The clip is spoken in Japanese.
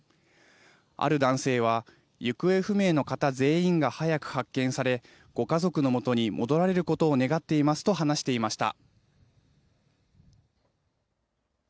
ある男性は行方不明の方全員が早く発見され、ご家族の元に戻られることを願っていますと話していました。